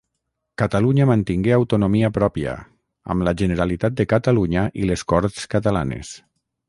Catalunya mantingué autonomia pròpia, amb la Generalitat de Catalunya i les Corts Catalanes.